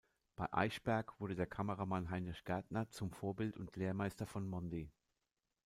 Bei Eichberg wurde der Kameramann Heinrich Gärtner zum Vorbild und Lehrmeister von Mondi.